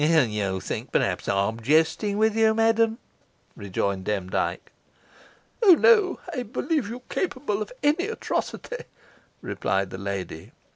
"You think, perhaps, I am jesting with you, madam," rejoined Demdike. "Oh! no, I believe you capable of any atrocity," replied the lady.